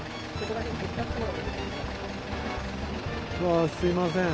あすいません。